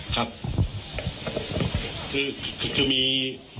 คือมี